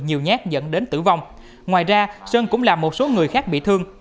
nhiều nhát dẫn đến tử vong ngoài ra sơn cũng làm một số người khác bị thương